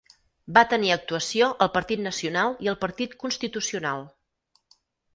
Va tenir actuació al Partit Nacional i al Partit Constitucional.